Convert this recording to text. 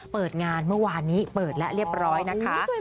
เปิดงานเมื่อวานนี้เปิดแล้วเรียบร้อยนะคะ